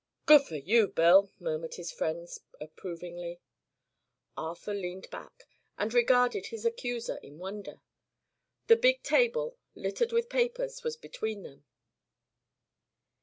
"Good fer you, Bill!" murmured his friends, approvingly. Arthur leaned back and regarded his accuser in wonder. The big table, littered with papers, was between them.